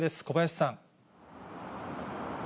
小林さん。